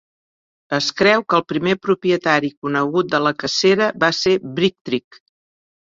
Es creu que el primer propietari conegut de la cacera va ser Brictric.